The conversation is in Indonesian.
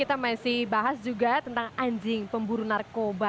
kita masih bahas juga tentang anjing pemburu narkoba